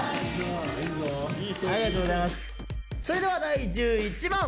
それでは第１１問。